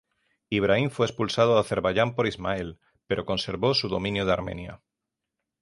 Ibrahim fue expulsado de Azerbaiyán por Ismael, pero conservó su dominio de Armenia.